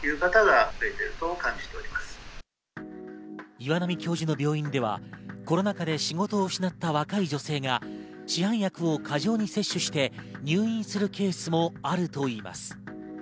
岩波教授の病院ではコロナ禍で仕事を失った若い女性が市販薬を過剰に摂取して入院するケースもあるといいます。